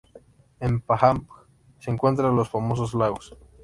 En Pahang, se encuentran dos famosos lagos.